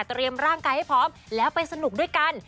ร่างกายให้พร้อมแล้วไปสนุกด้วยกัน